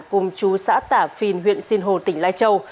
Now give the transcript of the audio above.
cùng chú xã tả phìn huyện sinh hồ tỉnh lai châu